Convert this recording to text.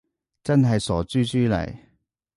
真係傻豬豬嚟